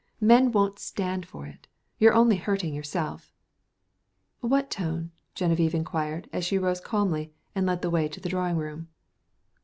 Men won't stand for it. You're only hurting yourself." "What tone?" Genevieve inquired as she rose calmly and led the way to the drawing room.